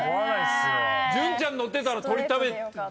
潤ちゃん乗ってたら鶏食べれたよ。